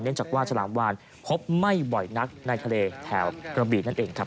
เนื่องจากว่าฉลามวานครบไม่บ่อยนักในทะเลแถวกระบีน